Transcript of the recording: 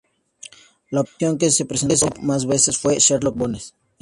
La opción que se presentó más veces fue "Sherlock Bones".